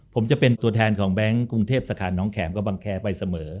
ผมจะเป็นตัวแทนของแบงค์กรุงเทพสาขาน้องแขมกับบังแคร์ไปเสมอ